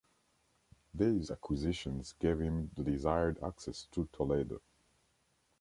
These acquisitions gave him the desired access to Toledo.